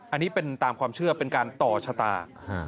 อันนี้เป็นตามความเชื่อเป็นการต่อชะตา